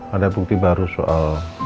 ada bukti baru soal